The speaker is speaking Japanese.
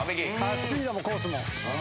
スピードもコースも。